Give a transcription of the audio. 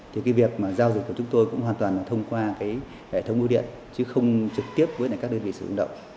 thì cái việc mà giao dịch của chúng tôi cũng hoàn toàn là thông qua cái hệ thống bưu điện chứ không trực tiếp với các đơn vị sử dụng động